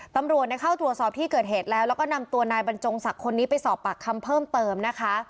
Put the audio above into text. ตำรวจเข้าตรวจสอบที่เกิดเหตุแล้วแล้วก็นำตัวนายบรรจงศักดิ์คนนี้ไปสอบปากคำเพิ่มเติมนะคะ